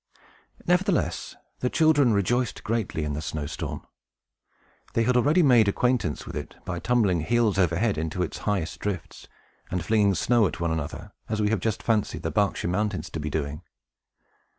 Nevertheless, the children rejoiced greatly in the snow storm. They had already made acquaintance with it, by tumbling heels over head into its highest drifts, and flinging snow at one another, as we have just fancied the Berkshire mountains to be doing.